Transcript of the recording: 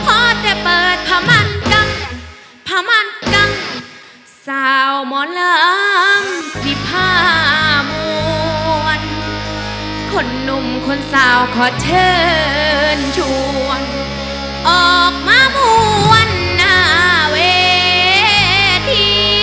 พ่อจะเปิดพมันกังพมันกังสาวหมอนรังที่พามวลคนนุ่มคนสาวขอเชิญชวนออกมามวลหน้าเวที